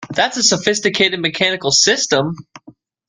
That's a sophisticated mechanical system!